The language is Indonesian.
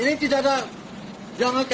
ini tidak ada